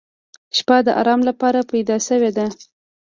• شپه د آرام لپاره پیدا شوې ده.